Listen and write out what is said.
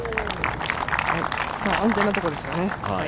安全なところですよね。